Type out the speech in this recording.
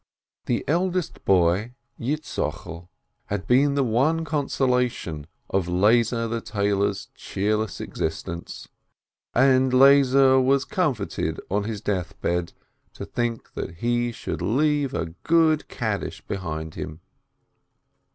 A SCHOLAR'S MOTHER 519 The eldest boy, Yitzchokel, had been the one conso lation of Lezer the tailor's cheerless existence, and Lezer was comforted on his death bed to think he should leave a good Kaddish behind him.